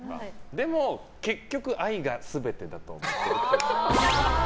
でも結局、愛が全てだと思ってるっぽい。